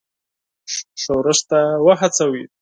ښورښ ته وهڅوي.